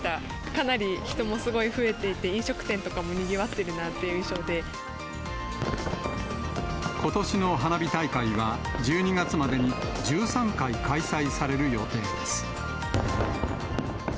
かなり人もすごい増えていて、飲食店とかもにぎわってるなといことしの花火大会は、１２月までに１３回開催される予定です。